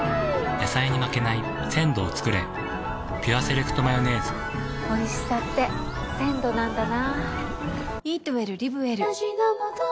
野菜に負けない鮮度をつくれ「ピュアセレクトマヨネーズ」おいしさって鮮度なんだな。